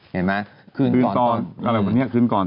เห็นมั้ยคืนก่อน